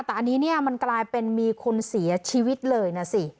แต่อันนี้เนี่ยมันกลายเป็นมีคนเสียชีวิตเลยนะสิ